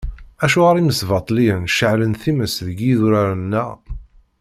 Acuɣer imsbaṭliyen ceεlen times deg yidurar-nneɣ!